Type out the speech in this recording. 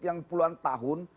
yang puluhan tahun